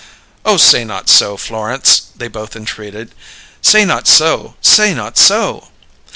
"Oh, say not so, Florence!" they both entreated. "Say not so! Say not so!"